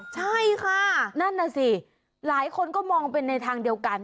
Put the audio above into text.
ใช่ค่ะนั่นน่ะสิหลายคนก็มองเป็นในทางเดียวกัน